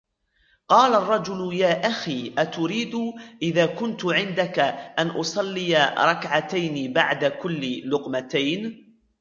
قال الرجل يا أخي أتريد إذا كنت عندك أن أصلى ركعتين بعد كل لقمتين